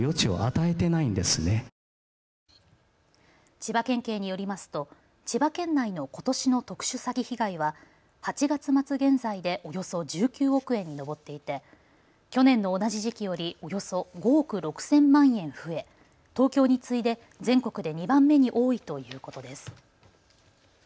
千葉県警によりますと千葉県内のことしの特殊詐欺被害は８月末現在でおよそ１９億円に上っていて去年の同じ時期よりおよそ５億６０００万円増え、東京に次いで全国で２番目に多いということです。